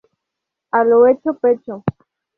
A lo hecho, pecho